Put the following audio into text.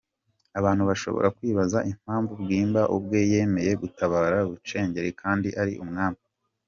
Abantu bashobora kwibaza impamvu Bwimba ubwe yemeye gutabara bucengeri kandi ari umwami.